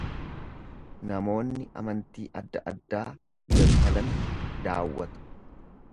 Namoonni amantii adda addaa Jerusalem daawwatu.